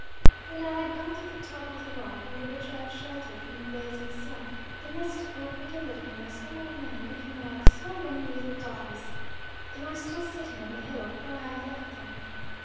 When I had got to the top of the rock under which I had sheltered from the blazing sun, the mist opened a little, and I saw my men looking like so many little dolls. They were still sitting on the hillock where I had left them.